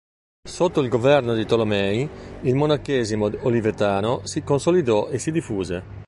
Sotto il governo di Tolomei il monachesimo olivetano si consolidò e si diffuse.